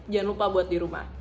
jangan lupa buat di rumah